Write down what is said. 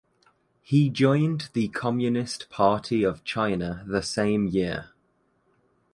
He joined the Communist Party of China the same year.